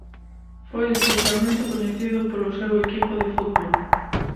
Foi especialmente coñecido polo seu equipo de fútbol.